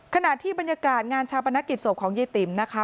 ขณะที่บรรยากาศงานชาปนกิจศพของยายติ๋มนะคะ